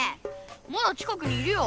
まだ近くにいるよ。